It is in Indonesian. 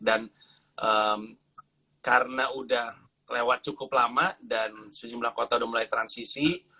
dan karena udah lewat cukup lama dan sejumlah kota udah mulai transisi